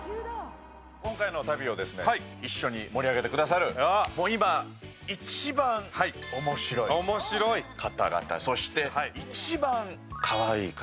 今回の旅を一緒に盛り上げてくださる、今、一番おもしろい方々、そして一番かわいい方。